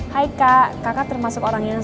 hai kak kakak termasuk orang yang